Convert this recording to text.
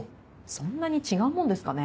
そんなに違うもんですかね。